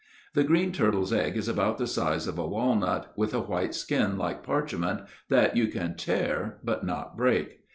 The green turtle's egg is about the size of a walnut, with a white skin like parchment that you can tear, but not break.